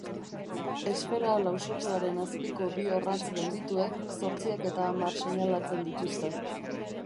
Esfera lausotuaren azpiko bi orratz geldituek zortziak eta hamar seinalatzen dituzte.